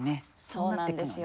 そうなっていくのね。